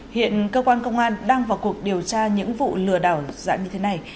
hiện cơ quan công an đang vào cuộc điều tra những vụ lừa đảo giã như thế này